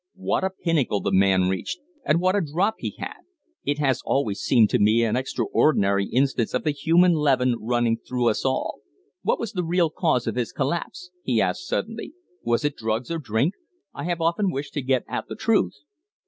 What a pinnacle the man reached, and what a drop he had! It has always seemed to me an extraordinary instance of the human leaven running through us all. What was the real cause of his collapse?" he asked, suddenly. "Was it drugs or drink? I have often wished to get at the truth."